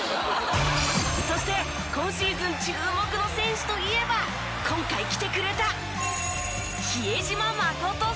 そして今シーズン注目の選手といえば今回来てくれた。